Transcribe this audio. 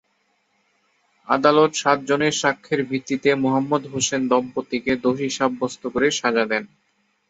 আদালত সাতজনের সাক্ষ্যের ভিত্তিতে মোহাম্মদ হোসেন দম্পত্তিকে দোষী সাব্যস্ত করে সাজা দেন।